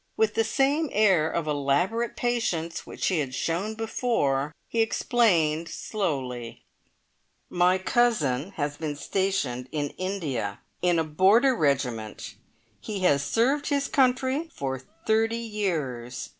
With the same air of elaborate patience which he had shown before, he explained slowly: "My cousin has been stationed in India. In a border regiment. He has served his country for thirty years.